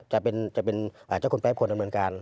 จะเป็นเจ้าคุณแป๊บควรดำเนินการ